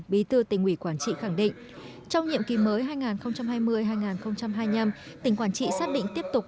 bí thư tỉnh ủy quảng trị khẳng định trong nhiệm ký mới hai nghìn hai mươi hai nghìn hai mươi năm tỉnh quảng trị xác định tiếp tục